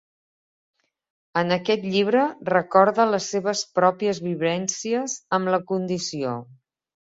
En aquest llibre recorda les seves pròpies vivències amb la condició.